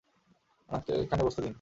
উনাকে এখানে বসতে দিন।